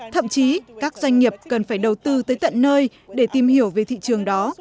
thậm chí các doanh nghiệp cần phải đầu tư tới tận nơi để tìm hiểu về thị trường đó